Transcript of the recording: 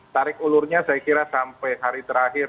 tarik ulurnya saya kira sampai hari terakhir